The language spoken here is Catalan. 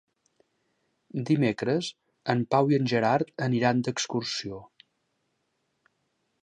Dimecres en Pau i en Gerard aniran d'excursió.